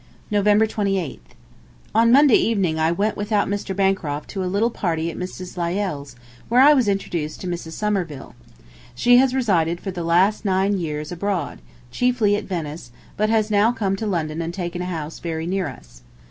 November 28th. ... On Monday evening I went without Mr. Bancroft to a little party at Mrs. Lyell's, where I was introduced to Mrs. Somerville. She has resided for the last nine years abroad, chiefly at Venice, but has now come to London and taken a house very near us.